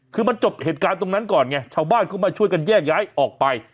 คือมันจบเหตุการณ์ตรงนั้นก่อนไงชาวบ้านเขามาช่วยกันแยกย้ายออกไป